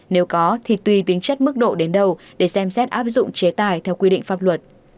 nếu có thì tùy tính chất mức độ đến đâu để xem xét áp dụng chế tài theo quy định pháp luật